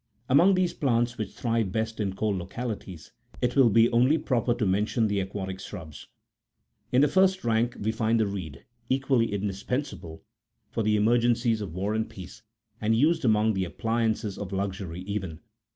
Among those plants which thrive best in cold localities, it will be only proper to mention the aquatic shrubs.22 In the irst rank, we find the reed, equally indispensable for the smergencies of war and peace, and used among the appliances23 )f luxury even.